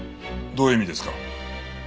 どういう意味ですか？